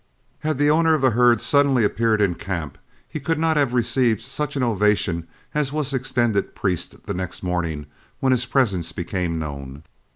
Had the owner of the herd suddenly appeared in camp, he could not have received such an ovation as was extended Priest the next morning when his presence became known.